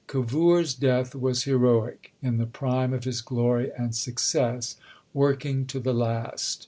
Cavour's death was heroic in the prime of his glory and success working to the last.